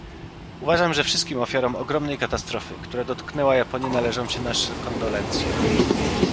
Uważam, że wszystkim ofiarom ogromnej katastrofy, która dotknęła Japonię należą się nasze kondolencje